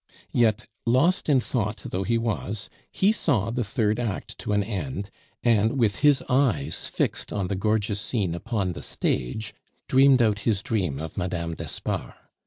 Yet, lost in thought though he was, he saw the third act to an end, and, with his eyes fixed on the gorgeous scene upon the stage, dreamed out his dream of Mme. d'Espard.